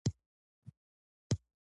تاسو باید د جګړې په میدان کې مېړانه وښيئ.